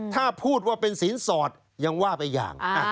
ถ้าพูดว่าเป็นสินสอดยังว่าไปอย่าง